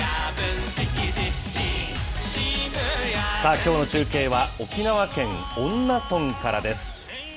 きょうの中継は、沖縄県恩納村からです。